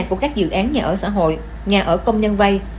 của các dự án nhà ở xã hội nhà ở công nhân vay